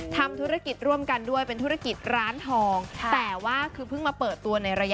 ทำธุรกิจร่วมกันด้วยเป็น